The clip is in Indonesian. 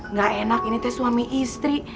nggak enak ini teh suami istri